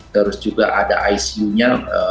terus juga ada icu nya dua belas